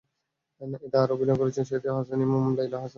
এতে আরও অভিনয় করছেন সৈয়দ হাসান ইমাম, লায়লা হাসান, আলীরাজসহ নতুন শিল্পীরা।